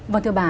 vâng thưa bà